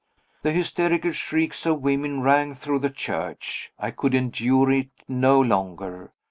The hysterical shrieks of women rang through the church. I could endure it no longer.